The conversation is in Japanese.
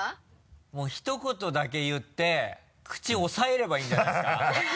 もうひと言だけ言って口押さえればいいんじゃないですか？